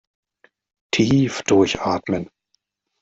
Tief durchatmen!